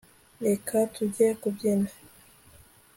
reka tujye kubyina